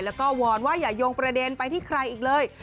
แล้วก็วอนว่าอย่ายงประเด็นไปที่ใครอีกเลย